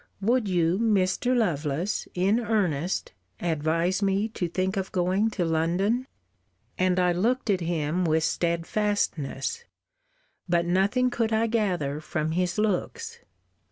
Would you, Mr. Lovelace, in earnest, advise me to think of going to London? And I looked at him with stedfastness. But nothing could I gather from his looks.